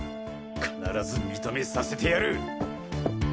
必ず認めさせてやる！